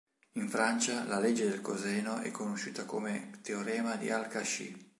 In Francia la legge del coseno è conosciuta come "teorema di al-Kashi".